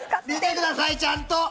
見てくださいちゃんと！